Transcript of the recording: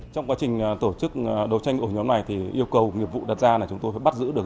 trong quá trình tổ chức đấu tranh ổ nhóm này thì yêu cầu nghiệp vụ đặt ra là chúng tôi bắt giữ được